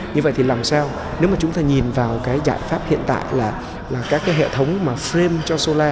như vậy thì làm sao nếu mà chúng ta nhìn vào cái giải pháp hiện tại là các cái hệ thống mà frame cho solar